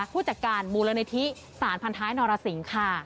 ผู้จัดการบุรณิธิสารพันธายนรสิงค์ค่ะ